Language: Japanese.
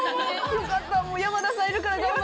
よかった。